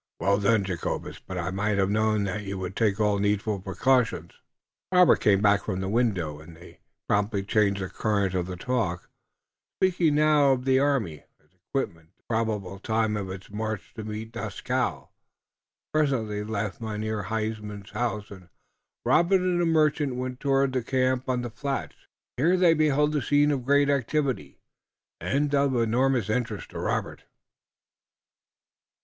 "Well done, Jacobus, but I might have known that you would take all needful precautions." Robert came back from the window, and they promptly changed the current of the talk, speaking now of the army, its equipment, and the probable time of its march to meet Dieskau. Presently they left Mynheer Huysman's house, and Robert and the merchant went toward the camp on the flats. Here they beheld a scene of great activity and of enormous interest to Robert.